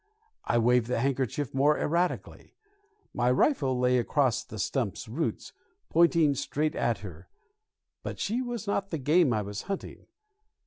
I waved the handkerchief more erratically. My rifle lay across the stump's roots, pointing straight at her; but she was not the game I was hunting.